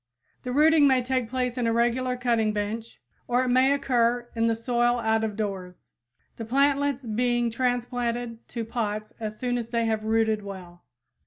The rooting may take place in a regular cutting bench, or it may occur in the soil out of doors, the plantlets being transplanted to pots as soon as they have rooted well.